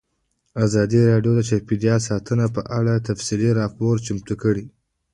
ازادي راډیو د چاپیریال ساتنه په اړه تفصیلي راپور چمتو کړی.